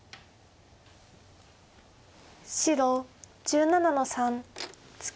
白１７の三ツケ。